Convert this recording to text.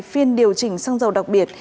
phiên điều chỉnh xương dầu đặc biệt